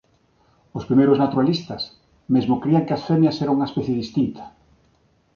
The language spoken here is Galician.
Os primeiros naturalistas mesmo crían que as femias eran unha especie distinta.